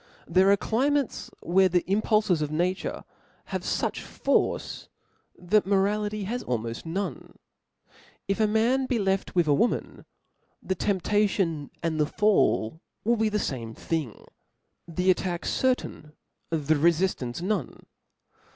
There are climates where the impulfes of nature haye fuch force that morality has almoft none. If a man be left with, a woman, the temptation and the fall will be the fame thing; the attack cer^ tain, the itfiftanpe nope.